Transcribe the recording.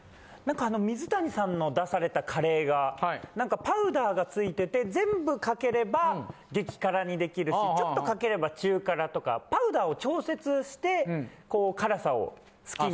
水谷さんの出されたカレーがなんかパウダーがついてて全部かければ激辛にできるしちょっとかければ中辛とかパウダーを調節してこう辛さを好きに。